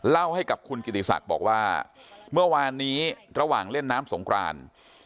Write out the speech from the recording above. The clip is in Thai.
เล่าให้กับคุณกิติศักดิ์บอกว่าเมื่อวานนี้ระหว่างเล่นน้ำสงคราน